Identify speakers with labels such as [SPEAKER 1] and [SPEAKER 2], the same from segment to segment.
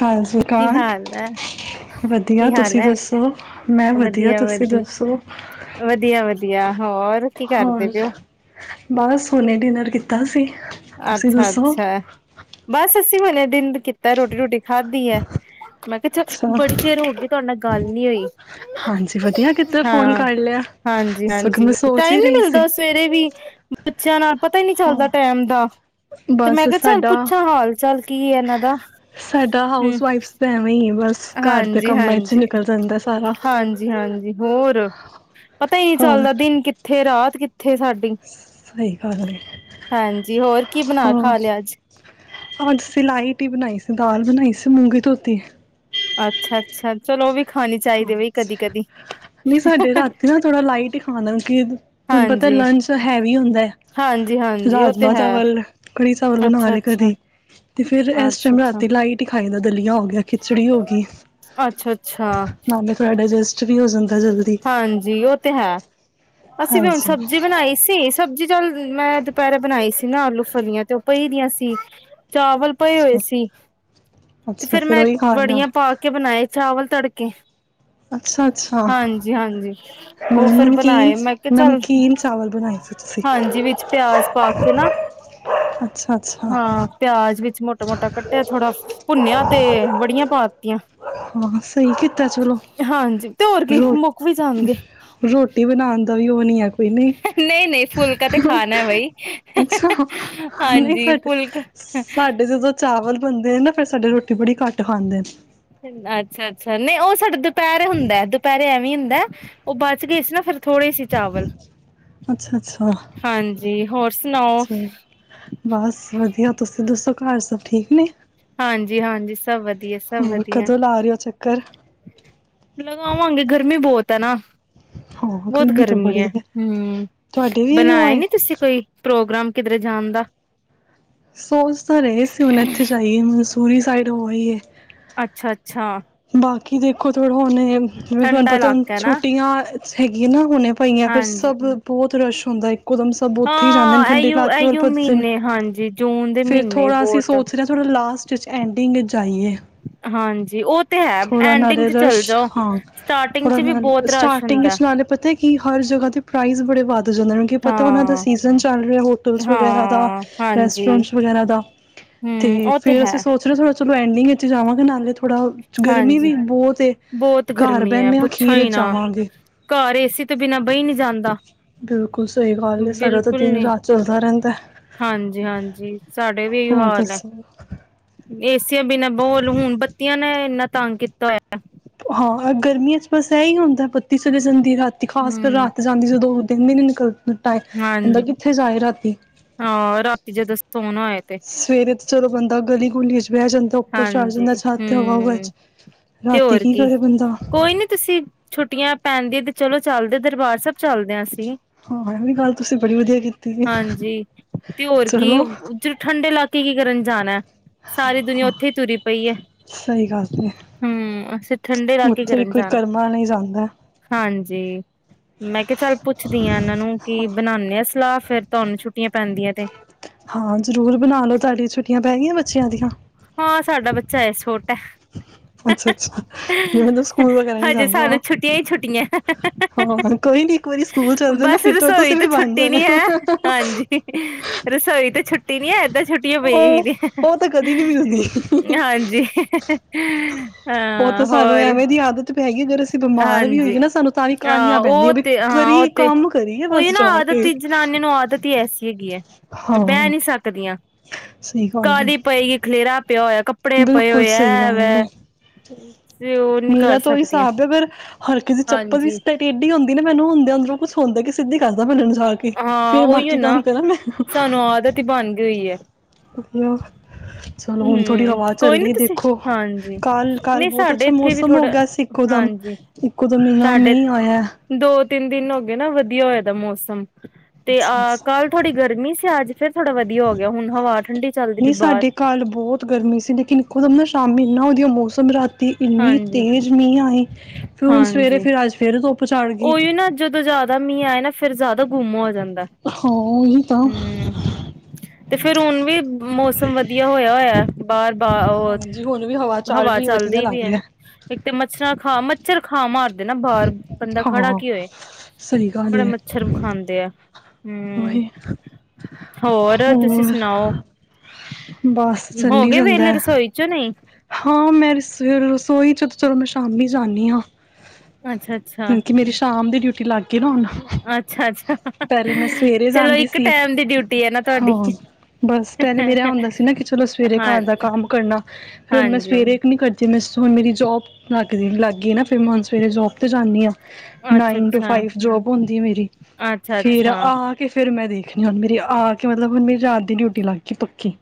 [SPEAKER 1] ਕਾਲ ਸ਼੍ਰੀ
[SPEAKER 2] ਕੀ
[SPEAKER 1] ਅਕਾਲ
[SPEAKER 2] ਹਾਲ ਹੈ
[SPEAKER 1] ਵਧੀਆ
[SPEAKER 2] ਕੀ ਹਾਲ
[SPEAKER 1] ਤੁਸੀਂ
[SPEAKER 2] ਹੈ
[SPEAKER 1] ਦੱਸੋ, ਮੈਂ ਵਧੀਆ ਤੁਸੀਂ ਦੱਸੋ।
[SPEAKER 2] ਵਧੀਆ ਵਧੀਆ ਹੋਰ ਕੀ ਕਰਦੇ
[SPEAKER 1] ਹੋਰ
[SPEAKER 2] ਪਓ
[SPEAKER 1] ਬਸ ਹੁਣੇ ਡਿਨਰ ਕੀਤਾ ਸੀ ਤੁਸੀਂ
[SPEAKER 2] ਅੱਛਾ
[SPEAKER 1] ਦੱਸੋ
[SPEAKER 2] ਅੱਛਾ ਬੱਸ ਮਨੇ ਦਿਨ ਕੀਤਾ ਰੋਟੀ ਰੋਟੀ ਖਾਧਦੀ ਹੈ ਮੈਂ ਕਿਹਾ ਚਲ
[SPEAKER 1] ਅੱਛਾ
[SPEAKER 2] ਬੜੀ ਚਿਰ ਹੋਗੀ ਤੁਹਾਡੇ ਨਾਲ ਗੱਲ ਨੀ ਹੋਈ
[SPEAKER 1] ਹਾਂਜੀ ਵਧੀਆ ਕਿੱਦਾਂ ਫੋਨ
[SPEAKER 2] ਹਾਂ
[SPEAKER 1] ਕਰ ਲਿਆ
[SPEAKER 2] ਹਾਂਜੀ
[SPEAKER 1] ਸਗੋਂ ਮੈਂ
[SPEAKER 2] ਹਾਂਜੀ
[SPEAKER 1] ਸੋਚ ਹੀ
[SPEAKER 2] ਟਾਈਮ ਨੀ
[SPEAKER 1] ਰਹੀ ਸੀ
[SPEAKER 2] ਮਿਲਦਾ ਸਵੇਰੇ ਵੀ ਬੱਚਿਆਂ ਨਾਲ ਪਤਾ ਹੀ ਨਹੀਂ
[SPEAKER 1] ਹਾਂ
[SPEAKER 2] ਚੱਲਦਾ ਟਾਈਮ ਦਾ ਤੇ ਮੈਂ
[SPEAKER 1] ਬਸ
[SPEAKER 2] ਕਿਹਾ ਚੱਲ
[SPEAKER 1] ਸਾਡਾ
[SPEAKER 2] ਪੁੱਛਾਂ ਹਾਲ ਚਾਲ ਕੀ ਹੈ ਇਹਨਾਂ ਦਾ
[SPEAKER 1] ਸਾਡਾ
[SPEAKER 2] ਹਮ
[SPEAKER 1] ਹਾਊਸ ਵਾਈਫ ਤਾਂ ਐਵੇਂ ਹੀ ਹੈ ਬਸ ਘਰ ਦੇ
[SPEAKER 2] ਹਾਂਜੀ
[SPEAKER 1] ਕੰਮਾਂ 'ਚ
[SPEAKER 2] ਹਾਂਜੀ
[SPEAKER 1] ਨਿਕਲ ਜਾਂਦਾ ਸਾਰਾ
[SPEAKER 2] ਹਾਂਜੀ ਹਾਂਜੀ ਹੋਰ ਪਤਾ ਹੀ ਨਹੀਂ
[SPEAKER 1] ਹੋਰ
[SPEAKER 2] ਚੱਲਦਾ ਦਿਨ ਕਿੱਥੇ ਰਾਤ ਕੀਤੀ ਥੇ ਸਾਡੀ
[SPEAKER 1] ਸਹੀ ਗੱਲ ਹੈ
[SPEAKER 2] ਹਾਂਜੀ ਹੋਰ ਕੀ ਬਣਾ
[SPEAKER 1] ਹੋਰ
[SPEAKER 2] ਖਾ ਲਿਆ ਅੱਜ
[SPEAKER 1] ਅੱਜ ਸਲਾਈਟੀ ਬਣਾਈ ਸੀ ਦਾਲ ਬਣਾਈ ਸੀ ਮੂੰਗੀ ਧੋਤੀ
[SPEAKER 2] ਅੱਛਾ ਅੱਛਾ ਚਲੋ ਉਹ ਵੀ ਖਾਣੀ ਚਾਹੀਦੀ ਬਈ
[SPEAKER 1] ਅਛਾ
[SPEAKER 2] ਕਦੀ-ਕਦੀ
[SPEAKER 1] ਨਹੀਂ ਸਾਡੇ ਰਾਤੀ ਨਾ ਥੋੜਾ ਲਾਈਟ ਹੀ ਖਾਣਾ ਕਿ ਤੁਹਾਨੂੰ ਪਤਾ
[SPEAKER 2] ਹਾਂਜੀ।
[SPEAKER 1] ਲੰਚ ਹੈਵੀ ਹੁੰਦਾ ਹੈ
[SPEAKER 2] ਹਾਂਜੀ-ਹਾਂਜੀ ਉਹ ਤੇ
[SPEAKER 1] ਰਾਜਮਾਂ
[SPEAKER 2] ਹੈ
[SPEAKER 1] ਚਾਵਲ ਕੜੀ ਚਵਲ ਬਣਾਏ
[SPEAKER 2] ਅੱਛਾ-ਅੱਛਾ,
[SPEAKER 1] ਕਦੀ ਤੇ ਫਿਰ ਇਸ ਟਾਈਮ ਰਾਤੀ ਲਾਈਟ ਖਾਈਦਾ ਦਲੀਆ ਹੋ ਗਿਆ, ਖਿਚੜੀ ਹੋ ਗਈ।
[SPEAKER 2] ਅੱਛਾ ਅੱਛਾ
[SPEAKER 1] ਨਾਲੇ ੋ੍ਹਾ ਡਾਇਜਸਟ ਵੀ ਹੋ ਜਾਂਦਾ ਜਲਦੀ
[SPEAKER 2] ਹਾਂਜੀ ਉਹ ਤੇ ਹੈ ਅਸੀਂ ਵੀ ਹੁਣ
[SPEAKER 1] ਹਾਂਜੀ।
[SPEAKER 2] ਸਬਜ਼ੀ ਬਣਾਈ ਸੀ ਸਬਜ਼ੀ ਚੱਲ ਮੈਂ ਦੁਪਹਿਰੇ ਬਣਾਈ ਸੀ ਨਾ ਆਲੂ ਫਲੀਆਂ ਤੇ ਉਹ ਪਹੀ ਦੀਆਂ ਸੀ ਚਾਵਲ ਪਏ ਹੋਏ
[SPEAKER 1] ਅੱਛਾ
[SPEAKER 2] ਸੀ ਤੇ
[SPEAKER 1] ਅੱਛਾ
[SPEAKER 2] ਫਿਰ ਮੈਂ
[SPEAKER 1] ਉਹੀ ਖਾ ਲਿਆ
[SPEAKER 2] ਵੜੀਆਂ ਪਾ ਕੇ ਬਣਾਏ ਚਾਵਲ ਤੜਕੇ
[SPEAKER 1] ਅੱਛਾ-ਅੱਛਾ
[SPEAKER 2] ਹਾਂਜੀ ਹਾਂਜੀ ਉਹ ਫਿਰ
[SPEAKER 1] ਨਮਕੀਨ
[SPEAKER 2] ਬਣਾਏ ਮੈਂ ਕਿਹਾ ਚੱਲ
[SPEAKER 1] ਨਮਕੀਨ ਚਾਵਲ ਬਣਾਏ ਸੀ ਤੁਸੀਂ
[SPEAKER 2] ਹਾਂਜੀ ਵਿੱਚ ਪਿਆਜ ਪਾ ਕੇ ਨਾ
[SPEAKER 1] ਅੱਛਾ ਅੱਛਾ
[SPEAKER 2] ਮੋਟਾ ਮੋਟਾ ਕੱਟਿਆ ਥੋੜਾ ਭੁੰਨਿਆ ਤੇ ਬੜੀਆਂ ਪਾ ਦਿੱਤੀਆਂ।
[SPEAKER 1] ਹਾਂ ਸਹੀ ਕੀਤਾ ਚਲੋ,
[SPEAKER 2] ਹਾਂਜੀ ਤੇ ਹੋਰ ਕੀ
[SPEAKER 1] ਰੋ
[SPEAKER 2] ਮੁੱਕ ਵੀ ਜਾਣਗੇ।
[SPEAKER 1] ਰੋਟੀ ਬਣਾਉਣ ਦਾ, ਨੀ ਉਹ ਨਹੀਂ ਹੈ। ਕੋਈ ਨਹੀਂ,
[SPEAKER 2] ਨਹੀਂ-ਨਹੀਂ ਫੁਲਕਾ ਤੇ ਖਾਣਾ ਬਈ
[SPEAKER 1] ਅੱਛਾ, ਨਹੀਂ
[SPEAKER 2] ਹਾਂਜੀ
[SPEAKER 1] ਸਾਡੇ
[SPEAKER 2] ਫੁਲਕਾ
[SPEAKER 1] ਸਾਡੇ ਜਦੋਂ ਚਾਵਲ ਬੰਦੇ ਨਾ ਫਿਰ ਸਾਡੇ ਰੋਟੀ ਬੜੀ ਘੱਟ ਖਾਂਦੇ ਨੇ
[SPEAKER 2] ਅੱਛਾ-ਅੱਛਾ, ਨਹੀਂ ਉਹ ਸਾਡਾ ਦੁਪਹਿਰ ਹੁੰਦਾ ਦੁਪਹਿਰੇ ਐ ਨੀ ਹੁੰਦਾ, ਉਹ ਬਚ ਗਏ ਸੀ ਨਾ ਫਿਰ, ਥੋੜੇ ਸੀ ਚਾਵਲ,
[SPEAKER 1] ਅੱਛਾ ਅੱਛਾ
[SPEAKER 2] ਹਾਂਜੀ ਹੋਰ ਸੁਣਾਓ।
[SPEAKER 1] ਚਲੋ ਬਸ ਵਧੀਆ ਤੁਸੀਂ ਦੱਸੋ ਘਰ ਸਭ ਠੀਕ ਨੇ?
[SPEAKER 2] ਹਾਂਜੀ-ਹਾਂਜੀ, ਸਭ ਵਧੀਆ ਸਭ
[SPEAKER 1] ਹੋਰ
[SPEAKER 2] ਵਧੀਆ,
[SPEAKER 1] ਕਦੋਂ ਲਾ ਰਹੇ ਹੋ ਚੱਕਰ
[SPEAKER 2] ਮਤਲਬ ਆਵਾਂਗੇ ਗਰਮੀ ਬਹੁਤ ਤੇ ਨਾ,
[SPEAKER 1] ਹਾਂ
[SPEAKER 2] ਬਹੁਤ
[SPEAKER 1] ਤਾਂ
[SPEAKER 2] ਗਰਮੀ
[SPEAKER 1] ਬੜੀ
[SPEAKER 2] ਹੈ, ਹੂੰ
[SPEAKER 1] ਤੁਹਾਡੇ ਵੀ ਇਹੀਓ
[SPEAKER 2] ਬਣਾਇਆ
[SPEAKER 1] ਹੋਏ
[SPEAKER 2] ਨੀ ਤੁਸੀਂ ਕੋਈ ਪ੍ਰੋਗਰਾਮ ਕਿੱਧਰੇ ਜਾਣ ਦਾ,
[SPEAKER 1] ਸੋਚ ਤਾਂ ਰਹੇ ਸੀ ਹੁਣ ਇੱਥੇ ਜਾਈਏ ਮੈਨੂੰ ਦੂਰੀ ਸਾਈਡ ਹੋ ਆ ਹੀ
[SPEAKER 2] ਅੱਛਾ-ਅੱਛਾ।
[SPEAKER 1] ਬਾਕੀ ਦੇਖੋ ਥੋੜਾ ਹੁਣ ਇਹ ਮੈਂ ਤੁਹਾਨੂੰ
[SPEAKER 2] ਠੰਡਾ
[SPEAKER 1] ਪਤਾ ਹੁਣ
[SPEAKER 2] ਇਲਾਕਾ ਹੈ ਨਾ
[SPEAKER 1] ਛੁੱਟੀਆਂ ਹੈਗੀ ਨਾ। ਹੋਣੇ ਪਈਆਂ ਫਿਰ
[SPEAKER 2] ਹਾਂਜੀ
[SPEAKER 1] ਸਭ ਬਹੁਤ ਰਸ਼ ਹੁੰਦਾ ਇੱਕ ਕੁਦਮ ਸਬ ਉੱਥੇ ਹੀ ਜਾਂਦੇ ਨੇ
[SPEAKER 2] ਹਾਂ
[SPEAKER 1] ਠੰਡੇ
[SPEAKER 2] ਐਈਓ
[SPEAKER 1] ਇਲਾਕੇ ਵੱਲ
[SPEAKER 2] ਐਈਓ
[SPEAKER 1] ਭੱਜਦੇ
[SPEAKER 2] ਮਹੀਨੇ ਹਾਂਜੀ ਜੂਨ ਦੇ
[SPEAKER 1] ਫੇਰ
[SPEAKER 2] ਮਹੀਨੇ
[SPEAKER 1] ਥੋੜਾ ਅਸੀਂ
[SPEAKER 2] ਬਹੁਤ
[SPEAKER 1] ਸੋਚ ਦੇ ਹਾਂ ਥੋੜਾ ਲਾਸਟ [unintelligible] ਐਂਡਿੰਗ,
[SPEAKER 2] ਹਾਂਜੀ ਉਹ ਤੇ ਹੈ
[SPEAKER 1] ਥੋੜਾ
[SPEAKER 2] ਐਂਡਿੰਗ
[SPEAKER 1] ਨਾਲੇ
[SPEAKER 2] ਚ
[SPEAKER 1] ਰਸ਼
[SPEAKER 2] ਚੱਲ ਜਾਓ
[SPEAKER 1] ਹਾਂ
[SPEAKER 2] ਸਟਾਰਟਿੰਗ
[SPEAKER 1] ਥੋੜਾ
[SPEAKER 2] ਚ ਵੀ
[SPEAKER 1] ਨਾਲ
[SPEAKER 2] ਬਹੁਤ ਰਸ਼
[SPEAKER 1] ਸਟਾਰਟਿੰਗ
[SPEAKER 2] ਹੁੰਦਾ
[SPEAKER 1] ਵਿਚ ਨਾਲੇ ਪਤਾ ਕਿ ਹਰ ਜਗ੍ਹਾ ਦੇ ਪ੍ਰਾਈਜ਼ ਬੜੇ ਬਾ ਜਾਂ ਪਤਾ ਉਹਨਾਂ ਦਾ
[SPEAKER 2] ਹਾਂ
[SPEAKER 1] ਸੀਜਨ ਚੱਲ ਰਿਹਾ ਹੋਟਲ ਵਗੈਰਾ ਦਾ
[SPEAKER 2] ਹਾਂ ਹਾਂਜੀ
[SPEAKER 1] ਰੈਸਟੋਰੈਂਟਸ ਵਗੈਰਾ ਦਾ,
[SPEAKER 2] ਹਮ
[SPEAKER 1] ਤੇ
[SPEAKER 2] ਉਹ
[SPEAKER 1] ਫੇਰ
[SPEAKER 2] ਹੈ
[SPEAKER 1] ਅਸੀਂ ਸੋਚ ਰਹੇ ਥੋੜਾ ਚਲੋ ਐਂਡਿੰਗ ਚ ਜਾਵਾਂਗਾ ਨਾਲ ਥੋੜਾ
[SPEAKER 2] ਹਾਂਜੀ, ਬਹੁਤ
[SPEAKER 1] ਘਰ
[SPEAKER 2] ਗਰਮੀ ਹੈ
[SPEAKER 1] ਬਹਿੰਦੇ ਹਾਂ
[SPEAKER 2] ਪੁੱਛਾ
[SPEAKER 1] ਅਖੀਰ
[SPEAKER 2] ਹੀ
[SPEAKER 1] 'ਚ
[SPEAKER 2] ਨਾ,
[SPEAKER 1] ਜਾਵਾਂਗੇ
[SPEAKER 2] ਘਰ ਏਸੀ ਤੋਂ ਬਿਨਾਂ ਬਹੀ ਨਹੀਂ ਜਾਂਦਾ,
[SPEAKER 1] ਬਿਲਕੁਲ ਸਹੀ ਗੱਲ ਹੈ ਸਾਡਾ ਤਾਂ
[SPEAKER 2] ਬਿਲਕੁਲ
[SPEAKER 1] ਦਿਨ
[SPEAKER 2] ਨੀ
[SPEAKER 1] ਰਾਤ ਚੱਲਦਾ ਰਹਿੰਦਾ
[SPEAKER 2] ਹਾਂਜੀ ਹਾਂਜੀ ਸਾਡੇ ਵੀ ਇਹੀ
[SPEAKER 1] ਹੋਰ
[SPEAKER 2] ਹਾਲ ਹੈ
[SPEAKER 1] ਦੱਸੋ
[SPEAKER 2] ਏਸੀ ਤੇ ਬਿਨਾਂ ਬੋਲ ਹੁਣ ਬ ਉਹ ਨੇ ਇੰਨਾ ਤੰਗ ਕੀਤਾ ਹੋਇਆ।
[SPEAKER 1] ਗਰਮੀਆਂ ਚ ਬਸ ਇਹ ਹੀ ਹੁੰਦਾ ਪੱਤੀ ਸ ਨੀ ਰਾਤੀ ਖਾਸ ਕਰ
[SPEAKER 2] ਹਮ
[SPEAKER 1] ਰਾਤ ਜਾਂਦੀ ਜਦੋ ਦੋ ਦਿਨ ਮਹੀਨੇ [unintelligible]
[SPEAKER 2] ਹਾਂਜੀ
[SPEAKER 1] ਬੰਦਾ ਕਿੱਥੇ ਜਾਏ ਰਾਤੀ
[SPEAKER 2] ਹਾਂ, ਰਾਤੀ ਜਦੋਂ ਸੋਣਾ ਹੋਏ ਤੇ
[SPEAKER 1] ਸਵੇਰੇ ਤੇ ਚਲੋ ਬੰਦਾ ਗਲੀ [unintelligible] ਬਹਿ ਜਾਂਦਾ ਉੱਪਰ ਚੜ
[SPEAKER 2] ਹਾਂਜੀ,
[SPEAKER 1] ਜਾਂਦਾ ਛਾ ਤੇ ਹਵਾ ਉਹ
[SPEAKER 2] ਹੂੰ
[SPEAKER 1] ਚ
[SPEAKER 2] ਤੇ
[SPEAKER 1] ਰਾਤੀ
[SPEAKER 2] ਹੋਰ ਕੀ
[SPEAKER 1] ਕਰੇ ਬੰਦਾ
[SPEAKER 2] ਕੋਈ ਨੀ ਤੁਸੀਂ ਛੁੱਟੀਆਂ ਪੈਦੀਆ ਤੇ ਚਲੋ ਚੱਲਦੇ ਦਰਬਾਰ ਸਾਹਿਬ ਚੱਲਦੇ ਹਾਂ ਅਸੀਂ
[SPEAKER 1] ਹਾਂ ਗੱਲ ਤੁਸੀਂ ਬੜੀ ਵਧੀਆ ਕੀਤੀ। ਹੈ
[SPEAKER 2] ਹਾਂਜੀ, ਤੇ ਹੋਰ ਕੀ
[SPEAKER 1] ਚਲੋ
[SPEAKER 2] ਠੰਡੇ ਇਲਾਕੇ ਕੀ ਕਰਨ ਜਾਣਾ ਸਾਰੀ ਦੁਨੀਆਂ ਉੱਥੇ ਹੀ ਤੁਰੀ ਪਈ ਹੈ,
[SPEAKER 1] ਸਹੀ ਗੱਲ ਹੈ
[SPEAKER 2] ਹੂੰ ਅਸੀਂ ਠੰਡੇ ਇਲਾਕੇ
[SPEAKER 1] ਉੱਥੇ ਵੀ
[SPEAKER 2] ਕਰਨ ਕੀ
[SPEAKER 1] ਕੋਈ
[SPEAKER 2] ਜਾਣਾ
[SPEAKER 1] ਕਰਮਾਂ ਨਹੀਂ ਜਾਂਦਾ
[SPEAKER 2] ਹਾਂਜੀ। ਜੀ। ਮੈਂ ਕਿਹਾ ਚੱਲ ਪੁੱਛਦੀ ਹਾਂ ਇਹਨਾਂ ਨੂੰ ਕਿ ਬਣਾਨੇ ਆ ਸਲਾਹ ਫੇਰ ਤੁਹਾਨੂੰ ਛੁੱਟੀਆ ਪੈਂਦੀਆਂ। ਤੇ
[SPEAKER 1] ਹਾਂ ਜ਼ਰੂਰ ਬਣਾਲੋ ਤੁਹਾਡੀਆਂ ਛੁੱਟੀਆਂ ਪੈ ਗਈਆਂ ਬੱਚਿਆਂ ਦੀਆਂ।
[SPEAKER 2] ਹਾਂ ਸਾਡਾ ਬੱਚਾ [unintelligible]
[SPEAKER 1] ਅੱਛਾ-ਅੱਛਾ ਹਲੇ ਮਤਲਬ ਸਕੂਲ ਵਗੈਰਾ ਨੀ
[SPEAKER 2] ਹਜੇ
[SPEAKER 1] ਜਾਂਦੇ।
[SPEAKER 2] ਸਾਨੂੰ ਛੁੱਟੀਆਂ ਹੀ ਛੁੱਟੀਆਂ
[SPEAKER 1] ਹਾਂ ਕੋਈ ਚੱਲ ਜਾਣਾ
[SPEAKER 2] ਬਸ
[SPEAKER 1] ਫਿਰ ਤਾਂ
[SPEAKER 2] ਰਸੋਈ
[SPEAKER 1] ਤੁਸੀਂ
[SPEAKER 2] ਤੇ
[SPEAKER 1] ਵੀ ਬਣ
[SPEAKER 2] ਛੁੱਟੀ
[SPEAKER 1] ਜਾਣਾ
[SPEAKER 2] ਨੀ ਹੈ, ਹਾਂਜੀ ਰਸੋਈ ਤੇ ਛੁੱਟੀ ਨੀ ਹੈ, ਏਦਾਂ ਛੁੱਟੀਆਂ
[SPEAKER 1] ਉਹ
[SPEAKER 2] ਪਈਆਂ।
[SPEAKER 1] ਉਹ ਤਾਂ ਕਦੀ ਨੀ ਮਿਲਦੀ
[SPEAKER 2] ਹਾਂਜੀ
[SPEAKER 1] ਉਹ ਤਾਂ
[SPEAKER 2] ਹਾਂ
[SPEAKER 1] ਸਾਨੂੰ
[SPEAKER 2] ਹੋਰ
[SPEAKER 1] ਐਵੇਂ ਦੀ ਆਦਤ ਪੈ ਗਈ ਅਗਰ ਅਸੀਂ ਬਿਮਾਰ ਵੀ ਹੋਏ ਨਾ ਸਾਨੂੰ ਤਾਂ ਵੀ ਕਾਹਲੀਆਂ
[SPEAKER 2] ਆਹ ਉਹ
[SPEAKER 1] ਪੈਂਦੀਆਂ ਵੀ
[SPEAKER 2] ਤੇ ਹਾਂ ਉਹ
[SPEAKER 1] ਕਰੀਏ
[SPEAKER 2] ਤੇ
[SPEAKER 1] ਕੰਮ ਕਰੀਏ
[SPEAKER 2] ਉਹੀ
[SPEAKER 1] ਬਸ
[SPEAKER 2] ਨਾ
[SPEAKER 1] ਜਾ ਕੇ
[SPEAKER 2] ਆਦਤ ਜਨਾਨੀਆਂ ਨੂੰ ਆਦਤ ਹੀ ਐਸੀ ਹੈਗੀ ਹੈ, ਬਹਿ
[SPEAKER 1] ਹਾਂ
[SPEAKER 2] ਨੀ ਸਕਦੀਆਂ।
[SPEAKER 1] ਸਹੀ ਗੱਲ ਹੈ
[SPEAKER 2] ਕਾਹਲੀ ਪਏਗੀ ਖਲੇਰਾ ਪਿਆ ਹੋਇਆ ਕੱਪੜੇ ਪਏ
[SPEAKER 1] ਬਿਲਕੁਲ
[SPEAKER 2] ਹੋਏ
[SPEAKER 1] ਸਹੀ
[SPEAKER 2] ਐ
[SPEAKER 1] ਗੱਲ
[SPEAKER 2] ਵੈ
[SPEAKER 1] ਹੈ
[SPEAKER 2] ਠੀਕ। ਉਹ ਨੀ ਕਰ ਸਕਦੀਆਂ।
[SPEAKER 1] ਫਿਰ ਹਲਕੀ ਜੀ ਚੱਪਲ
[SPEAKER 2] ਹਾਂਜੀ
[SPEAKER 1] ਟੇਡੀ ਹੁੰਦੀ ਨਾ ਮੈਨੂੰ ਹੁੰਦਾ ਅੰਦਰੋਂ ਕੁਛ ਹੁੰਦਾ ਕਿ ਸਿੱਧੀ ਕਰਦਾ ਪਹਿਲਾ ਐਨੂੰ
[SPEAKER 2] ਹਾਂ ਉਹੀਓ ਨਾ ਸਾਨੂੰ ਆਦਤ ਈ ਬਣ ਗਈ ਐ।
[SPEAKER 1] ਹੋ, ਚਲੋ, ਹੁਣ ਥੋੜੀ
[SPEAKER 2] ਹਮ
[SPEAKER 1] ਹਵਾ ਚੱਲ
[SPEAKER 2] ਕੋਈ
[SPEAKER 1] ਰਹੀ
[SPEAKER 2] ਨੀ
[SPEAKER 1] ਹੈ
[SPEAKER 2] ਤੁਸੀਂ
[SPEAKER 1] ਦੇਖੋ
[SPEAKER 2] ਹਾਂਜੀ
[SPEAKER 1] ਕੱਲ ਕੱਲ
[SPEAKER 2] ਨਹੀਂ
[SPEAKER 1] ਬਹੁਤ
[SPEAKER 2] ਸਾਡੇ
[SPEAKER 1] ਅੱਛਾ
[SPEAKER 2] ਇੱਥੇ ਵੀ
[SPEAKER 1] ਮੌਸਮ ਹੋ
[SPEAKER 2] ਥੋੜਾ
[SPEAKER 1] ਗਿਆ ਸੀ, ਇੱਕੋ ਦਮ
[SPEAKER 2] ਹਾਂਜੀ
[SPEAKER 1] ਇਕੋ ਦਮ ਇਨਾ
[SPEAKER 2] ਸਾਡੇ
[SPEAKER 1] ਮੀਂਹ ਆਇਆ।
[SPEAKER 2] ਦੋ ਤਿੰਨ ਦਿਨ ਹੋ ਗਏ ਨਾ ਵਧੀਆ ਹੋਏ ਦਾ ਮੌਸਮ, ਤੇ
[SPEAKER 1] ਅੱਛਾ
[SPEAKER 2] ਆਹ
[SPEAKER 1] ਅੱਛਾ
[SPEAKER 2] ਕੱਲ੍ਹ ਥੋੜੀ ਗਰਮੀ ਸੀ, ਅੱਜ ਫਿਰ ਥੋੜ੍ਹਾ ਵਧੀਆ ਹੋ ਗਿਆ ਹੁਣ ਹਵਾ ਠੰਡੀ ਚਲਦੀ ਵੀ
[SPEAKER 1] ਨਹੀਂ
[SPEAKER 2] ਬਾਹਰ
[SPEAKER 1] ਸਾਡੇ ਕੱਲ ਬਹੁਤ ਗਰਮੀ ਸੀ, ਲੇਕਿਨ ਇੱਕੋਦਮ ਨਾ ਸ਼ਾਮ ਇੰਨਾ ਵਧੀਆ ਮੌਸਮ ਰਾਤੀ ਇੰਨੀ
[SPEAKER 2] ਹਾਂਜੀ
[SPEAKER 1] ਤੇਜ਼ ਮੀਂਹ ਆਈ ਫਿਰ ਹੁਣ ਸਵੇਰੇ
[SPEAKER 2] ਹਾਂਜੀ
[SPEAKER 1] ਫੇਰ ਅੱਜ ਫੇਰ ਤੋਂ
[SPEAKER 2] ਉਹੀ ਨਾ ਜਦੋਂ ਜ਼ਿਆਦਾ ਮੀਂਹ ਆਏ ਨਾ, ਫੇਰ ਜ਼ਿਆਦਾ ਗੁੰਮ ਹੋ ਜਾਂਦਾ।
[SPEAKER 1] ਹਾਂ ਉਹੀ ਤਾਂ
[SPEAKER 2] ਹੂੰ, ਤੇ ਫੇਰ ਹੁਣ ਵੀ, ਮੌਸਮ ਵਧੀਆ ਹੋਇਆ ਹੋਇਆ। ਬਾਰ, ਬ
[SPEAKER 1] ਹਾਂਜੀ ਹੁਣ ਵੀ
[SPEAKER 2] ਉਹ
[SPEAKER 1] ਚੱਲ
[SPEAKER 2] ਹਵਾ
[SPEAKER 1] ਰਹੀ ਵਧੀਆ
[SPEAKER 2] ਚੱਲਦੀ ਵੀ
[SPEAKER 1] ਲੱਗ
[SPEAKER 2] ਹੈ
[SPEAKER 1] ਰਿਹਾ
[SPEAKER 2] ਇੱਕ ਤੇ ਮੱਛਰਾਂ ਖਾ ਮੱਛਰ ਖਾ ਮਾਰਦੇ ਨਾ ਬਾਹਰ ਬੰਦਾ ਖੜਾ
[SPEAKER 1] ਹਾਂ
[SPEAKER 2] ਕੀ ਹੋਏ
[SPEAKER 1] ਸਹੀ ਗੱਲ
[SPEAKER 2] ਬੜੇ
[SPEAKER 1] ਹੈ
[SPEAKER 2] ਮੱਛਰ ਖਾਂਦੇ ਆ ਹਮ
[SPEAKER 1] ਉਹੀ
[SPEAKER 2] ਹੋਰ ਤੁਸੀਂ ਸੁਣਾਓ
[SPEAKER 1] ਬਸ
[SPEAKER 2] ਹੋ
[SPEAKER 1] ਚਲੀ
[SPEAKER 2] ਗਏ ਵੇਲੇ
[SPEAKER 1] ਜਾਂਦਾ ਹੈ
[SPEAKER 2] ਰਸੋਈ ਚੋਂ ਨਹੀਂ
[SPEAKER 1] ਹਾਂ ਮੈਂ ਫਿਰ ਰਸੋਈ ਚ ਚਲੋ ਮੈਂ ਸ਼ਾਮੀ ਜਾਂਦੀ ਹਾਂ
[SPEAKER 2] ਅੱਛਾ ਅੱਛਾ
[SPEAKER 1] ਕ ਮੇਰੀ ਸ਼ਾਮ ਦੀ ਡਿਊਟੀ ਕਿ ਲੱਗ ਗਈ ਨਾ ਹੁਣ
[SPEAKER 2] ਅੱਛਾ ਅੱਛਾ
[SPEAKER 1] ਪਹਿਲੇ ਮੈਂ ਸਵੇਰੇ
[SPEAKER 2] ਚਲੋ
[SPEAKER 1] ਜਾਂਦੀ
[SPEAKER 2] ਇੱਕ
[SPEAKER 1] ਸੀ
[SPEAKER 2] ਟਾਈਮ ਦੀ ਡਿਊਟੀ ਹੈ ਨਾ ਤੁਹਾਡੀ
[SPEAKER 1] ਹਾਂ ਬਸ ਪਹਿਲੇ ਮੇਰਾ ਆਉਂਦਾ ਸੀ ਨਾ ਕਿ ਚਲੋ ਸਵੇਰੇ
[SPEAKER 2] ਹਾਂ
[SPEAKER 1] ਘਰ ਦਾ ਕੰਮ ਕਰਨਾ ਫਿਰ ਹੁਣ ਮੈਂ
[SPEAKER 2] ਹਾਂਜੀ
[SPEAKER 1] ਸਵੇਰੇ ਇੱਕ ਨਹੀਂੀ ਕਰਦੀ ਮੈਂ ਹੁਣ ਮੇਰੀ ਜੋਬ ਨਾ ਇੱਕ ਦਿਨ ਲਾਗੀਈ ਨਾ ਫਿਰ ਮੈਂਹੂਣ ਸਵੇਰੇ ਜੋਬ ਤੇ ਜਾਂਦੀ ਆਾਂ
[SPEAKER 2] ਅੱਛਾ
[SPEAKER 1] ਨਾਈਨ ਟੂ
[SPEAKER 2] ਅੱਛਾ
[SPEAKER 1] ਫਾਈਵ ਜੋਬ ਹੁੰਦੀ ਮੇਰੀ
[SPEAKER 2] ਅੱਛਾ
[SPEAKER 1] ਫੇਿਰ
[SPEAKER 2] ਅੱਛਾ
[SPEAKER 1] ਆ ਕੇ ਫੇਿਰ ਮੈਂ ਦੇਖ ਹੁ ਮੇਰੀ ਆ ਕੇ ਮਤਲਬ ਹੁਣ ਮੇਰੀ ਰਾਤ ਦੀ ਡਿਊਟੀ ਲੱਗ ਗਈ ਪਕਕੀ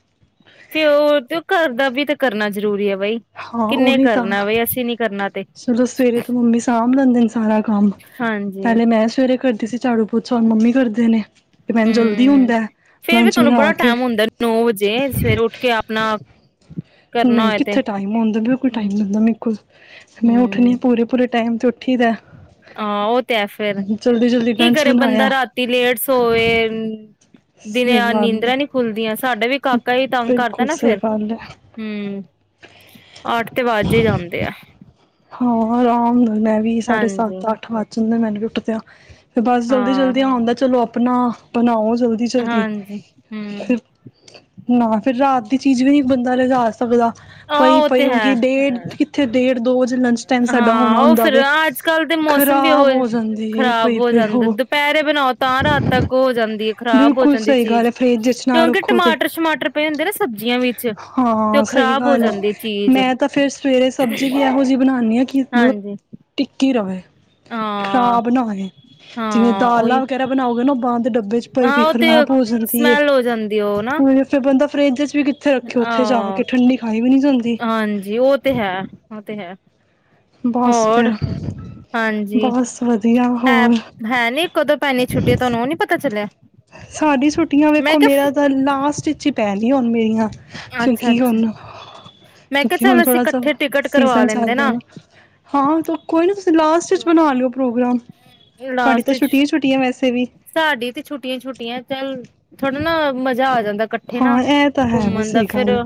[SPEAKER 2] ਫ ਉਹ ਤੇ ਘਰ ਦਾ ਵੀ ਤੇ ਕਰਨਾ ਜਰੂਰੀ ਹੈ ਬਾਈ
[SPEAKER 1] ਹਾਂ
[SPEAKER 2] ਕਿੰਨੇ
[SPEAKER 1] ਉਹੀ ਤਾਂ
[SPEAKER 2] ਕਰਨਾ ਬਈ ਅਸੀਂ ਨੀ ਕਰਨਾ ਤੇ
[SPEAKER 1] ਚਲੋ ਸਵੇਰੇ ਤੋਂ ਮੰਮੀ ਸਾਂਭ ਲੈਂਦੇ ਨੇ ਸਾਰਾ ਕੰਮ
[SPEAKER 2] ਹਾਂਜੀ
[SPEAKER 1] ਪਹਿਲੇ ਮੈਂ ਸਵੇਰੇ ਕਰਦੀ ਸੀ ਝਾੜੂ ਪੋਚਾ ਹੁਨ ਮੰਮੀ ਕਰਦੇ ਨੇ ਤੇ ਮੈਨੂੰ ਜਲਦੀ
[SPEAKER 2] ਹਮ
[SPEAKER 1] ਹੁੰਦਾ
[SPEAKER 2] ਫੇਰ ਵੀ
[SPEAKER 1] ਲੰਚ
[SPEAKER 2] ਤੁਹਾਨੂੰ
[SPEAKER 1] ਬਣਾ
[SPEAKER 2] ਬੜਾ
[SPEAKER 1] ਕੇ
[SPEAKER 2] ਟਾਈਮ ਹੁੰਦਾ ਨੌ ਵਜੇ ਸਵੇਰ ਉੱਠ ਕੇ ਆਪਣਾ ਕਰਨਾ ਹੋਏ ਤੇ
[SPEAKER 1] ਜ ਟਾਈਮੁੰ ਵੀ ਉਹ ਕੋਈ ਟਾਈਮ
[SPEAKER 2] ਹੂੰ
[SPEAKER 1] ਲੁੰਦਾ ਮਰੇ ਕੋਲ ਮ ਉੱਠਣੀ ਹ
[SPEAKER 2] ਹੂੰ
[SPEAKER 1] ਪੂਰੇ ਪੂਰੇ ਟਾਈਮ ਤੇ ਉੱਠ ਉਠੀਦਾ ਹੈ
[SPEAKER 2] ਹਾਂ ਉਹ ਤੇ ਹੈ ਫੇਿਰ
[SPEAKER 1] ਜਲਦੀ
[SPEAKER 2] ਕੀ
[SPEAKER 1] ਲੰਚ
[SPEAKER 2] ਕਰੇ ਬੰਦਾ
[SPEAKER 1] ਬਣਾਇਆ
[SPEAKER 2] ਰਾਤੀ ਲੇਟ ਸੋਵੇ ਦਿਨ
[SPEAKER 1] ਸਹੀ ਗੱਲ
[SPEAKER 2] ਨੀਂਦਰਾਾਂ ਨੀ
[SPEAKER 1] ਹੈ
[SPEAKER 2] ਖੁੱਲਦੀਆਂ ਸਾਡਾ ਵੀ ਕਾਕਾ ਹੀ ਤੰਗ ਕਰਦਾ
[SPEAKER 1] ਬਿਲਕੁਲ
[SPEAKER 2] ਨਾ
[SPEAKER 1] ਸਹੀ
[SPEAKER 2] ਫੇਿਰ
[SPEAKER 1] ਗੱਲ ਹੈ
[SPEAKER 2] ਹਮ ਅੱਠ ਤੇ ਵਜ਼ ਹੀ ਜਾਂਦੇ ਆ
[SPEAKER 1] ਹਾਂ ਆਰਾਮ ਨਾਲ ਮੈਂ ਵੀ ਸਾਡੇ
[SPEAKER 2] ਹਾਂਜੀ
[SPEAKER 1] ਸੱਤ ਅੱਠ ਵਜ ਜਾਂਦੇ ਮੈਨੂੰਦਾ ਮੈਨੂੰਵੀ [unintelligible] ਬਸ ਜਲਦੀ
[SPEAKER 2] ਹਾਂ
[SPEAKER 1] ਜਲਦੀ ਹੁੰਦਾ ਚਲੋ ਆਪ ਆਪਣਾ ਬਣਾਓ ਜਲਦੀ ਜਲਦੀ
[SPEAKER 2] ਹਾਂਜੀ ਹੂੰ
[SPEAKER 1] ਫਿਰ ਨਾ। ਫਿਰ ਰਾਤ ਦੀ ਚੀਜ਼ ਵੀ ਬੰਦਾ ਲਿਜਾ ਸਕਦਾ।
[SPEAKER 2] ਆਹ
[SPEAKER 1] ਪਈ
[SPEAKER 2] ਉਹ
[SPEAKER 1] ਪਈ
[SPEAKER 2] ਤੇ ਹੈ
[SPEAKER 1] [unintelligible] ਫੇਰ ਦੋ ਵਜੇ। ਲੰਚ ਟਾਈਮ ਸਾਡਾ
[SPEAKER 2] ਹਾਂ
[SPEAKER 1] ਹੋਣਾ
[SPEAKER 2] ਉਹ
[SPEAKER 1] ਹੁੰਦਾ
[SPEAKER 2] ਫਿਰ
[SPEAKER 1] ਵੇ
[SPEAKER 2] ਅੱਜ ਕੱਲ ਦੇ ਮੌਸਮ ਵੀ
[SPEAKER 1] ਖ਼ਰਾਬ
[SPEAKER 2] ਉਹ
[SPEAKER 1] ਹੋ ਜਾਂਦੀ ਹੈ
[SPEAKER 2] ਖ਼ਰਾਬ
[SPEAKER 1] ਪਈ
[SPEAKER 2] ਹੋ
[SPEAKER 1] ਪਈ
[SPEAKER 2] ਜਾਂਦਾ ਦੁਪਹਿਰੇ ਬਣਾਓ ਤਾਂ ਰਾਤ ਤੱਕ ਹੋ ਜਾਂਦੀ ਹੈ ਖ਼ਰਾਬ ਹੋ
[SPEAKER 1] ਬਿਲਕੁਲ
[SPEAKER 2] ਜਾਂਦੀ
[SPEAKER 1] ਸਹੀ ਗੱਲ
[SPEAKER 2] ਚੀਜ਼
[SPEAKER 1] ਹੈ ਫਰਿੱਜ ਚ ਨਾ
[SPEAKER 2] ਕਿਉਂਕਿ
[SPEAKER 1] ਰੱਖੋ ਤੇ
[SPEAKER 2] ਟਮਾਟਰ ਸ਼ਮਾਟਰ ਪਏ ਹੁੰਦੇ ਨਾ ਸਬਜ਼ੀਆਂ ਵਿੱਚ ਤੇ
[SPEAKER 1] ਹਾਂ
[SPEAKER 2] ਉਹ
[SPEAKER 1] ਸਹੀ
[SPEAKER 2] ਖਰਾਬ ਹੋ
[SPEAKER 1] ਗੱਲ
[SPEAKER 2] ਜਾਂਦੀ ਚੀਜ਼।
[SPEAKER 1] ਬਣਾਉਂਦੀ ਹਾਂ ਕਿ ਮਤਲਬ
[SPEAKER 2] ਹਾਂਜੀ
[SPEAKER 1] ਟਿੱਕੀ। [unintelligible]
[SPEAKER 2] ਹਾਂ
[SPEAKER 1] ਖਰਾਬ ਨਾ ਹੋਏ ਜਿਵੇਂ
[SPEAKER 2] ਹਾਂ
[SPEAKER 1] ਦਾਲਾਂ
[SPEAKER 2] ਉਹੀ
[SPEAKER 1] ਵਗੈਰਾ ਬਣਾਉਗੇ ਨਾ ਉਹ ਬੰਦ। ਡੱਬੇ ਚ ਪਈ
[SPEAKER 2] ਹਾਂ
[SPEAKER 1] ਪਈ
[SPEAKER 2] ਉਹ ਤੇ
[SPEAKER 1] ਖਰਾਬ ਹੋ ਜਾਂਦੀ
[SPEAKER 2] ਸਮੈਲ ਹੋ ਜਾਂਦੀ ਉਹ ਨਾ
[SPEAKER 1] ਨਹੀਂ ਫੇਰ ਬੰਦਾ। ਫਰਿੱਜ ਚ। ਵੀ ਕਿੱਥੇ ਰੱਖੇ ਉੱਥੇ ਜਾ
[SPEAKER 2] ਆਹ
[SPEAKER 1] ਕੇ ਠੰਡੀ ਖਾਈ ਵੀ ਨਹੀਂ ਜਾਂਦੀ
[SPEAKER 2] ਹਾਂਜੀ ਉਹ ਤੇ ਹੈ ਉਹ ਤੇ ਹੈ।
[SPEAKER 1] ਬਸ
[SPEAKER 2] ਹੋਰ
[SPEAKER 1] ਫਿਰ
[SPEAKER 2] ਹਾਂਜੀ
[SPEAKER 1] ਬਸ ਵਧੀਆ
[SPEAKER 2] ਹੈ
[SPEAKER 1] ਹੋਰ
[SPEAKER 2] ਹੈ ਨੀ ਕਦੋਂ ਪੈਣੀ ਛੁੱਟੀਆ ਤੁਹਾਨੂੰ ਉਹ ਨੀ ਪਤਾ ਚੱਲਿਆ।
[SPEAKER 1] ਸਾਡੀ ਛੁੱਟੀਆਂ
[SPEAKER 2] ਮੈਂ
[SPEAKER 1] ਵੇਖੋ ਮੇਰਾ
[SPEAKER 2] ਕਿਹਾ
[SPEAKER 1] ਤਾਂ ਲਾਸਟ ਵਿੱਚ ਹੀ ਪੈਣ। ਦੀ ਹੁਣ ਮੇਰੀਆਂ
[SPEAKER 2] ਅੱਛਾ
[SPEAKER 1] ਕਿਉਂਕਿ
[SPEAKER 2] ਅੱਛਾ
[SPEAKER 1] ਹੁਣ
[SPEAKER 2] ਮੈਂ ਕਿਹਾ
[SPEAKER 1] ਕਿਉਕਿ ਹੁਣ
[SPEAKER 2] ਚੱਲ ਅਸੀਂ
[SPEAKER 1] ਥੋੜਾ ਜੇਹਾ
[SPEAKER 2] ਇਕੱਠੇ ਟਿਕਟ ਕਰਵਾ
[SPEAKER 1] ਸੀਜਨ ਚੱਲ
[SPEAKER 2] ਲੈਂਦੇ ਨਾ
[SPEAKER 1] ਰਿਹਾ ਹਾਂ ਕੋਈ ਨਾ ਤੁਸੀਂ ਲਾਸਟ ਚ ਬਣਾ ਲਿਓ ਪ੍ਰੋਗਰਾਮ ਤੁਹਾਡੀ
[SPEAKER 2] ਲਾਸਟ
[SPEAKER 1] ਤਾਂ
[SPEAKER 2] ਵਿੱਚ
[SPEAKER 1] ਛੁੱਟੀਆਂ ਛੁੱਟੀਆਂ ਹੈ ਵੈਸੇ ਵੀ।
[SPEAKER 2] ਸਾਡੀ ਤੇ ਛੁੱਟੀਆਂ ਛੁੱਟੀਆਂ ਚੱਲ ਥੋੜਾ ਨਾ ਮਜ਼ਾ ਆ ਜਾਂਦਾ। ਦਾ ਇਕੱਠੇ ਨਾ।
[SPEAKER 1] ਹਾਂ ਇਹ ਤਾਂ ਹੈ
[SPEAKER 2] ਘੁੰਮਣ
[SPEAKER 1] ਵੈਸੇ
[SPEAKER 2] ਦਾ
[SPEAKER 1] ਇਹ
[SPEAKER 2] ਫਿਰ
[SPEAKER 1] ਗੱਲ।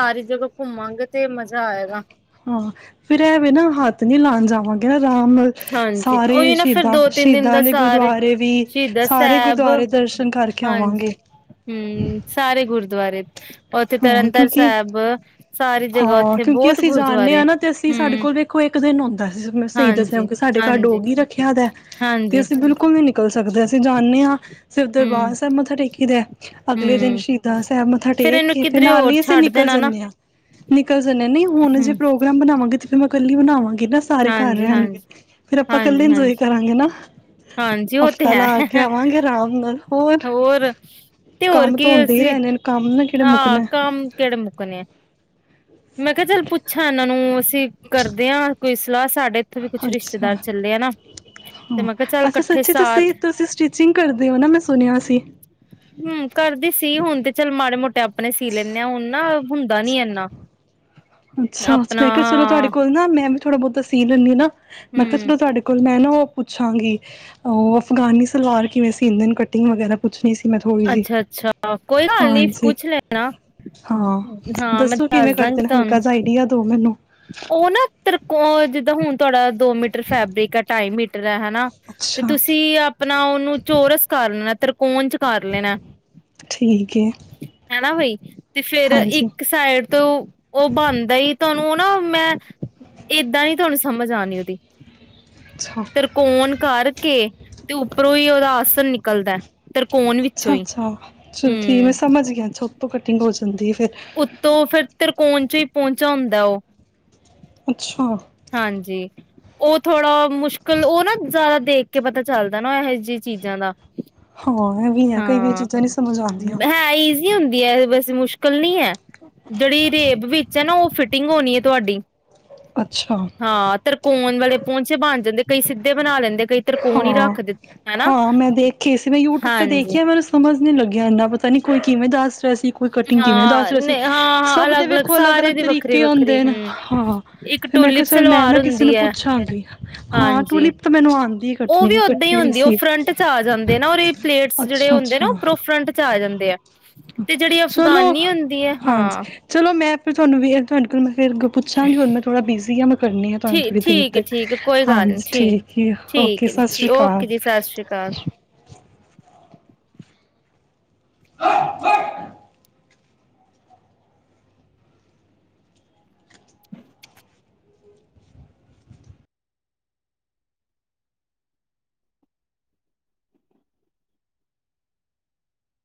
[SPEAKER 2] ਸਾਰੀ ਜਗ੍ਹਾ ਘੁੰਮਾਂਗੇ ਤੇ ਮਜ਼ਾ ਆਏਗਾ।
[SPEAKER 1] ਹਾਂ ਫੇਰ ਐਵੇਂ ਨਾ ਹੱਥ ਨੀ ਲਾਉਣ ਜਾਵਾਂਗੇ ਨਾ। ਰਾਮ
[SPEAKER 2] ਹਾਂਜੀ
[SPEAKER 1] ਸਾਰੇ
[SPEAKER 2] ਉਹੀ ਨਾ ਫਿਰ
[SPEAKER 1] ਸ਼ਹੀਦਾਂ
[SPEAKER 2] ਦੋ ਤਿੰਨ ਦਿਨ
[SPEAKER 1] ਸ਼ਹੀਦਾਂ
[SPEAKER 2] ਦਾ
[SPEAKER 1] ਦੇ
[SPEAKER 2] ਸਾਰੇ
[SPEAKER 1] ਗੁਰਦੁਆਰੇ ਵੀ
[SPEAKER 2] ਸ਼ਹੀਦਾ
[SPEAKER 1] ਸਾਰੇ
[SPEAKER 2] ਸਾਹਿਬ
[SPEAKER 1] ਗੁਰਦੁਆਰੇ ਦਰਸ਼ਨ ਕਰਕੇ
[SPEAKER 2] ਹਾਂਜੀ
[SPEAKER 1] ਆਵਾਂਗੇ।
[SPEAKER 2] ਹੂੰ, ਸਾਰੇ ਗੁਰਦੁਆਰੇ ਉੱਥੇ
[SPEAKER 1] ਹਾਂ
[SPEAKER 2] ਤਰਨ ਤਾਰਨ
[SPEAKER 1] ਕਿਉਂਕਿ
[SPEAKER 2] ਸਾਹਿਬ। ਸਾਰੀ ਜਗ੍ਹਾ
[SPEAKER 1] ਹਾਂ
[SPEAKER 2] ਉੱਥੇ
[SPEAKER 1] ਕਿਉਂਕਿ
[SPEAKER 2] ਬਹੁਤ
[SPEAKER 1] ਅਸੀਂ ਜਾਣੇ
[SPEAKER 2] ਗੁਰਦੁਆਰੇ
[SPEAKER 1] ਹਾਂ ਨਾ ਤੇ ਅਸੀਂ ਸਾਡੇ
[SPEAKER 2] ਹੂੰ,
[SPEAKER 1] ਕੋਲ ਵੇਖੋ ਇੱਕ ਦਿਨ ਹੁੰਦਾ ਸੀ ਸ਼ਹੀਦਾਂ
[SPEAKER 2] ਹਾਂਜੀ,
[SPEAKER 1] ਸਾਹਿਬ। ਸਾਡੇ ਘਰ
[SPEAKER 2] ਹਾਂਜੀ,
[SPEAKER 1] ਡੋਗੀ ਰੱਖਿਆ ਦਾ ਤੇ
[SPEAKER 2] ਹਾਂਜੀ,
[SPEAKER 1] ਅਸੀਂ ਬਿਲਕੁਲ ਨੀ ਨਿਕਲ ਸਕਦੇ ਅਸੀਂ ਜਾਂਣੇ ਹਾਂ। ਫਿਰ ਦਰਬਾਰ
[SPEAKER 2] ਹੂੰ,
[SPEAKER 1] ਸਾਹਿਬ ਮੱਥਾ ਟੇਕੀ ਦਾ ਅਗਲੇ ਦਿਨ
[SPEAKER 2] ਹੂੰ
[SPEAKER 1] ਸ਼ਹੀਦਾਂ ਸਾਹਿਬ ਮੱਥਾ
[SPEAKER 2] ਫੇਰ
[SPEAKER 1] ਟੇਕ
[SPEAKER 2] ਇਹਨੂੰ
[SPEAKER 1] ਕੇ ਫਿਰ
[SPEAKER 2] ਕਿਧਰੇ
[SPEAKER 1] ਨਾਲ
[SPEAKER 2] ਹੋਰ
[SPEAKER 1] ਹੀ ਅਸੀਂ
[SPEAKER 2] ਛੱਡ
[SPEAKER 1] ਨਿਕਲ
[SPEAKER 2] ਦੇਣਾ ਨਾ
[SPEAKER 1] ਜਾਣੇ ਹਾਂ। ਨਿਕਲ ਜਾਣ। ਹੁਣ ਜੇ
[SPEAKER 2] ਹੂੰ,
[SPEAKER 1] ਪ੍ਰੋਗਰਾਮ ਬਣਾਵਾਂਗੇ। ਤੇ ਮੈਂ ਕੱਲੀ ਬਣਾਵਾਂਗੀ। ਗੀ ਨਾ ਸਾਰੇ ਘਰ
[SPEAKER 2] ਹਾਂਜੀ,
[SPEAKER 1] ਰਹਿਣਗੇ
[SPEAKER 2] ਹਾਂਜੀ,
[SPEAKER 1] ਫੇਰ ਆਪਾਂ ਇਕੱਲੇ
[SPEAKER 2] ਹਾਂਜੀ,
[SPEAKER 1] ਇੰਜੋਏ
[SPEAKER 2] ਹਾਂਜੀ।
[SPEAKER 1] ਕਰਾਂਗੇ ਨਾ
[SPEAKER 2] ਹਾਂਜੀ, ਉਹ ਤੇ
[SPEAKER 1] ਹਫ਼ਤਾ
[SPEAKER 2] ਹੈ
[SPEAKER 1] ਲਾ ਕੇ ਆਵਾਂਗੇ ਆਰਾਮ ਨਾਲ ਹੋਰ
[SPEAKER 2] ਤੇ ਹੋਰ
[SPEAKER 1] ਕੰਮ ਤਾਂ
[SPEAKER 2] ਕੀ
[SPEAKER 1] ਹੁੰਦੇ ਹੀ
[SPEAKER 2] ਅਸੀਂ
[SPEAKER 1] ਰਹਿਣੇ ਕੰਮ ਨੇ ਕਿਹੜੇ
[SPEAKER 2] ਆਹ
[SPEAKER 1] ਮੁੱਕਨਾ।
[SPEAKER 2] ਕੰਮ ਕਿਹੜੇ ਮੁੱਕਣੇ ਆ। ਮੈਂ ਕਿਹਾ ਚੱਲ ਪੁੱਛਾਂ ਇਹਨਾਂ ਨੂੰ ਅਸੀਂ ਕਰਦੇ ਹਾਂ। ਕੋਈ ਸਲਾਹ ਸੀ।
[SPEAKER 1] ਅੱਛਾ,
[SPEAKER 2] ਤੇ
[SPEAKER 1] ਹਾਂ,
[SPEAKER 2] ਮੈਂ ਕਿਹਾ ਚੱਲ
[SPEAKER 1] ਅੱਛਾ।
[SPEAKER 2] ਇਕੱਠੇ
[SPEAKER 1] ਸੱਚੀ
[SPEAKER 2] ਸਾਥ
[SPEAKER 1] ਤੁਸੀਂ ਤੁਸੀਂ ਸਟਿਚਿੰਗ ਕਰਦੇ ਹੋ ਨਾ ਮੈਂ ਸੁਣਿਆ ਸੀ।
[SPEAKER 2] ਹੂੰ ਕਰਦੀ ਸੀ। ਹੁਣ ਤੇ ਚੱਲ ਮਾੜੇ ਮੋਟਾ ਕੱਪੜੇ ਸੀ ਲੈਂਨੇ ਹਾਂ ਹੁਣ ਨਾ ਹੁੰਦਾ ਨੀ ਇੰਨਾ।
[SPEAKER 1] ਅੱਛਾ, ਮੈਂ ਕਿਹਾ ਚਲੋ ਤੁਹਾਡੇ ਕੋਲ ਨਾ ਮੈਂ ਥੋੜਾ ਬਹੁਤਾ ਸੀ ਲੈਂਦੀ ਹਾਂ। ਮੈਂ ਕਿਹਾ
[SPEAKER 2] ਹੂੰ
[SPEAKER 1] ਚਲੋ ਤੁਹਾਡੇ ਕੋਲ ਮੈਂ ਨਾ ਉਹ ਪੁੱਛਾਂਗੀ ਉਹ ਅਫਗਾਨੀ ਸਲਵਾਰ ਕਿਵੇਂ ਸੀਦੇ ਨੇ ਕਟਿੰਗ ਵਗੈਰਾ ਪੁੱਛਣੀ ਸੀ। ਮੈਂ ਥੋੜ੍ਹੀ ਜਿਹੀ
[SPEAKER 2] ਅੱਛਾ, ਅੱਛਾ ਕੋਈ ਗੱਲ ਨੀ
[SPEAKER 1] ਹਾਂਜੀ
[SPEAKER 2] ਪੁੱਛ ਲੈਣਾ।
[SPEAKER 1] ਹਾਂ
[SPEAKER 2] ਹਾਂ, ਮੈਂ
[SPEAKER 1] ਦੱਸੋ ਕਿਵੇਂ
[SPEAKER 2] ਦੱਸ
[SPEAKER 1] ਕਰਦੇ
[SPEAKER 2] ਦਾਂਗੀ
[SPEAKER 1] ਨੇ ਹਲਕਾ
[SPEAKER 2] ਤੁਹਾਨੂੰ।
[SPEAKER 1] ਜਿਹਾ ਆਈਡੀਆ ਦੋ ਮੈਨੂੰ।
[SPEAKER 2] ਉਹ ਨਾ ਤਰਕੋ ਜਿੱਦਾਂ ਹੁਣ ਤੁਹਾਡਾ ਦੋ ਮੀਟਰ ਫੈਬਰਿਕ ਆ ਢਾਈ ਮੀਟਰ ਹਨਾ ਤੇ
[SPEAKER 1] ਅੱਛਾ
[SPEAKER 2] ਤੁਸੀਂ ਆਪਣਾ ਉਹਨੂੰ ਚੋਰਸ ਕਰਨਾ। ਕੌਣ ਚ ਕਰ ਲੈਣਾ।
[SPEAKER 1] ਠੀਕ ਹੈ
[SPEAKER 2] ਹੈਨਾ ਬਈ ਤੇ ਫਿਰ
[SPEAKER 1] ਹਾਂਜੀ
[SPEAKER 2] ਇੱਕ ਸਾਈਡ ਤੋਂ ਉਹ ਬਣਦਾ ਤੁਹਾਨੂੰ ਨਾ ਮੈਂ ਏਦਾਂ ਨੀ ਤੁਹਾਨੂੰ ਸਮਝ ਆਣੀ ਉਹਦੀ।
[SPEAKER 1] ਅੱਛਾ
[SPEAKER 2] ਤ੍ਰਕੋਣ ਕਰਕੇ ਤੇ ਉੱਪਰੋਂ ਹੀ ਉਹਦਾ ਆਸਣ ਨਿਕਲਦਾ। ਤਿਰਕੋਣ ਵਿੱਚੋਂ
[SPEAKER 1] ਅੱਛਾ,
[SPEAKER 2] ਹੀ
[SPEAKER 1] ਅੱਛਾ। ਚਲੌ ਠੀਕ ਮੈਂ
[SPEAKER 2] ਹੂੰ
[SPEAKER 1] ਸਮਝ ਗਿਆ ਛੱਤ ਤੋਂ ਹੋ ਜਾਂਦੀ ਹੈ। ਫਿਰ
[SPEAKER 2] ਉੱਤੋਂ ਫਿਰ ਕੌਣ ਚੋਂ ਹੀ ਪਹੁੰਚਾ ਹੁੰਦਾ ਉਹ।
[SPEAKER 1] ਅੱਛਾ।
[SPEAKER 2] ਹਾਂਜੀ ਉਹ ਥੋੜਾ ਮੁਸ਼ਕਿਲ। ਉਹ ਨਾ ਜ਼ਿਆਦਾ ਦੇਖ ਕੇ ਪਤਾ ਚੱਲਦਾ ਨਾ ਇਹੋ ਜਿਹੀ ਚੀਜ਼ਾਂ ਦਾ।
[SPEAKER 1] ਹਾਂ, ਇਹ ਵੀ ਹੈ। ਕਈ ਕਈ
[SPEAKER 2] ਹਾਂ
[SPEAKER 1] ਚੀਜ਼ਾਂ ਨਹੀਂ ਸਮਝ ਆਂਦੀਆਂ।
[SPEAKER 2] [unintelligible] ਬਸ ਮੁਸ਼ਕਿਲ ਨਹੀਂ ਹੈ। ਜਿਹੜੀ ਰੇਬ ਵਿੱਚ ਹੈ ਨਾ ਉਹ ਫਿਟਿੰਗ ਹੋਣੀ ਹੈ ਤੁਹਾਡੀ।
[SPEAKER 1] ਅੱਛਾ
[SPEAKER 2] ਹਾਂ, ਤ੍ਰਿਕੋਣ ਵਾਲੇ ਪਹੁੰਚੇ ਬਣ ਜਾਂਦੇ। ਕਈ ਸਿੱਧੇ ਬਣਾ ਲੈਂਦੇ। ਕਈ ਤਿਰਕੋਣ ਹੀ
[SPEAKER 1] ਹਾਂ,
[SPEAKER 2] ਰੱਖ ਦਿੰ ਹਨਾ
[SPEAKER 1] ਹਾਂ। ਮੈਂ ਦੇਖੀ ਸੀ ਮੈਂ ਯੂਟਿਊਬ ਤੇ
[SPEAKER 2] ਹਾਂਜੀ
[SPEAKER 1] ਦੇਖੀ ਮੈਨੂੰ ਸਮਝ ਨੀ ਲੱਗਿਆ ਇੰਨਾ ਪਤਾ ਨੀ ਕੋਈ ਕਿਵੇਂ ਦੱਸ ਰਿਹਾ ਸੀ। ਕੋਈ ਕਟਿੰਗ ਕਿਵੇਂ
[SPEAKER 2] ਹਾਂ
[SPEAKER 1] ਦੱਸ ਰਿਹਾ ਸੀ।
[SPEAKER 2] ਹਾਂ ਹਾਂ
[SPEAKER 1] ਸਭ ਦੇ
[SPEAKER 2] ਅਲੱਗ ਅਲੱਗ
[SPEAKER 1] ਵੇਖੋ
[SPEAKER 2] ਸਾਰੇ
[SPEAKER 1] ਅਲੱਗ-ਅਲੱਗ
[SPEAKER 2] ਦੀ ਵੱਖਰੀ
[SPEAKER 1] ਤਰੀਕੇ
[SPEAKER 2] ਵੱਖਰੀ
[SPEAKER 1] ਹੁੰਦੇ ਨੇ।
[SPEAKER 2] ਹੂੰ
[SPEAKER 1] ਹਾਂ,
[SPEAKER 2] ਇੱਕ
[SPEAKER 1] ਫਿਰ ਮੈਂ
[SPEAKER 2] ਟੂਲਿਪ
[SPEAKER 1] ਕਿਹਾ ਚ ਮੈਂ
[SPEAKER 2] ਸਲਵਾਰ
[SPEAKER 1] ਨਾ ਕਿਸੇ
[SPEAKER 2] ਹੁੰਦੀ
[SPEAKER 1] ਨੂੰ
[SPEAKER 2] ਹੈ
[SPEAKER 1] ਪੁੱਛਾਂਗੀ। ਹਾਂ,
[SPEAKER 2] ਹਾਂਜੀ
[SPEAKER 1] ਟੂਲਿਪ ਤਾਂ ਮੈਨੂੰ ਆਉਂਦੀ। ਹੀ
[SPEAKER 2] ਉਹ
[SPEAKER 1] ਕੱਟਣੀ
[SPEAKER 2] ਵੀ
[SPEAKER 1] ਮੈਂ
[SPEAKER 2] ਓਦਾਂ ਹੀ
[SPEAKER 1] ਕੱਟੀ ਵੀ
[SPEAKER 2] ਹੁੰਦੀ ਹੈ ਉਹ
[SPEAKER 1] ਸੀ
[SPEAKER 2] ਫਰੰਟ ਚ ਆ ਜਾਂਦੇ ਨਾ ਪਲੇਟਸ ਜਿਹੜੇ
[SPEAKER 1] ਅੱਛਾ
[SPEAKER 2] ਹੁੰਦੇ ਨਾ ਫਰੰਟ ਚ ਆ ਜਾਂਦੇ ਆ।
[SPEAKER 1] ਅੱਛਾ-ਅੱਛ।
[SPEAKER 2] ਤੇ ਜਿਹੜੀ
[SPEAKER 1] ਚਲੋ
[SPEAKER 2] ਅਫਗਾਨੀ ਹੁੰਦੀ ਹੈ
[SPEAKER 1] ਹਾਂਜੀ,
[SPEAKER 2] ਹਾਂ
[SPEAKER 1] ਚਲੋ ਮੈਂ ਆਪੇ ਤੁਹਾਨੂੰ ਨਾ [unintelligible] ਫਿਰ ਪੁੱਛਾਂਗੀ ਹੁਣ ਮੈਂ ਥੋੜ੍ਹਾ ਬਿਜ਼ੀ ਹਾਂ, ਮੈਂ ਕਰਨੀ ਆ ਤੁਹਾਨੂੰ
[SPEAKER 2] ਠੀ
[SPEAKER 1] ਥੋੜ੍ਹੀ ਦੇਰ
[SPEAKER 2] ਠੀਕ ਹੈ
[SPEAKER 1] ਤੱਕ
[SPEAKER 2] ਠੀਕ ਹੈ ਕੋਈ ਗੱਲ ਨੀ
[SPEAKER 1] ਹਾਂਜੀ, ਠੀਕ ਹੈ ਓਕੇ,
[SPEAKER 2] ਠੀਕ ਹੈ ਜੀ
[SPEAKER 1] ਸਤਿ ਸ਼੍ਰੀ
[SPEAKER 2] ਠੀਕ,
[SPEAKER 1] ਅਕਾਲ।
[SPEAKER 2] ਓਕੇ ਜੀ ਸਤਿ ਸ਼੍ਰੀ ਅਕਾਲ
[SPEAKER 1] [inaudible]